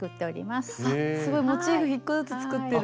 すごいモチーフ１個ずつ作ってる。